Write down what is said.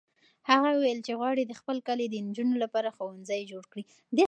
هغه وویل چې غواړي د خپل کلي د نجونو لپاره ښوونځی جوړ کړي.